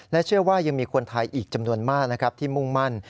เชื่อว่ายังมีคนไทยอีกจำนวนมากนะครับที่มุ่งมั่น